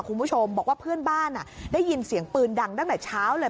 คุณผู้ชมบอกว่าเพื่อนบ้านได้ยินเสียงปืนดังตั้งแต่เช้าเลย